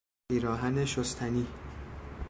پیراهن شستنی